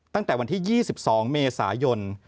ตั้งแต่วันที่๒๒เมษายน